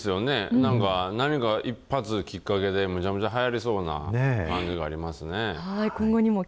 なんか、何か一発、きっかけでむちゃくちゃはやりそうな感じがありますね。